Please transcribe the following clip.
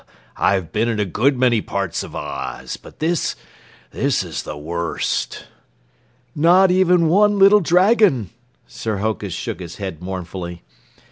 I've been in a good many parts of Oz, but this this is the worst." "Not even one little dragon!" Sir Hokus shook his head mournfully.